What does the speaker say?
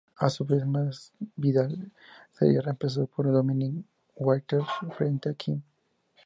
A su vez, Masvidal sería reemplazado por Dominic Waters frente a Kim.